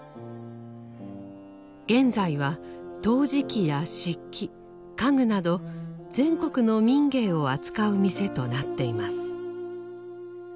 現在は陶磁器や漆器家具など全国の民藝を扱う店となっています。